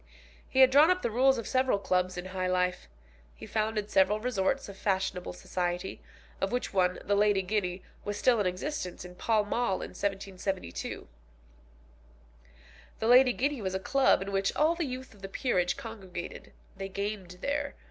He had drawn up the rules of several clubs in high life. He founded several resorts of fashionable society, of which one, the Lady Guinea, was still in existence in Pall Mall in 1772. The Lady Guinea was a club in which all the youth of the peerage congregated. They gamed there.